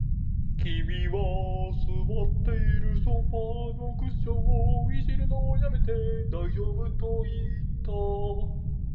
君は座っているソファーのクッションを弄るのを止めて、大丈夫と言った